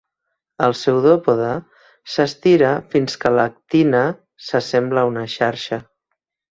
El pseudòpode s'estira fins que l'actina s'assembla a una xarxa.